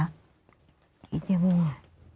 กี่ชั่วโมงอะ